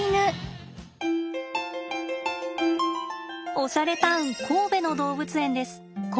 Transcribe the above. おしゃれタウン神戸の動物園です。